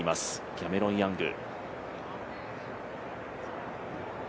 キャメロン・ヤング。